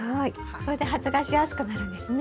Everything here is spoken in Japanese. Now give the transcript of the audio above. これで発芽しやすくなるんですね。